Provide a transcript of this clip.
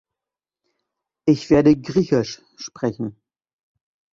Ich werde Griechisch sprechen.